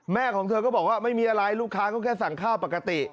ของเธอก็บอกว่าไม่มีอะไรลูกค้าก็แค่สั่งข้าวปกติ